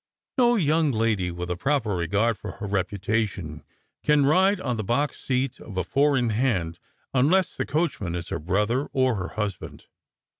" No young lady, with a proper regai'd for her reputation, can ride on the box seat of a four in hand, unless the coach man is her brother or her husband."